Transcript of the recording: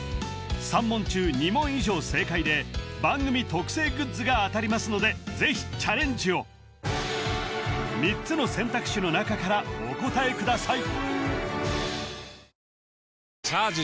３問中２問以上正解で番組特製グッズが当たりますのでぜひチャレンジを３つの選択肢の中からお答えください